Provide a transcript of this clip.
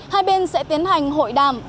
hai bên sẽ tiến hành hội đàm